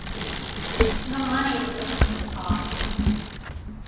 No money was earned for the pot.